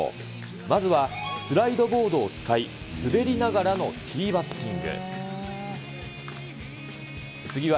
まずはスライドボードを使い、滑りながらのティーバッティング。